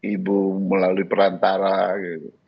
ibu melalui perantara gitu